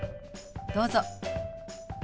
どうぞ。